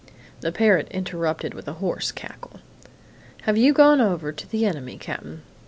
The parrot interrupted with a hoarse cackle. "Have you gone over to the enemy, Cap'n?"